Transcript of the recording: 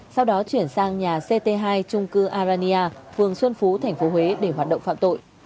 sau đó chuyển sang nhà ct hai trung cư arania phường xuân phú tp huế để hoạt động phạm tội